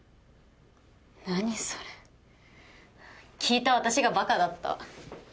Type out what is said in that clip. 何それ聞いた私がバカだった。